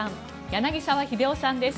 柳澤秀夫さんです。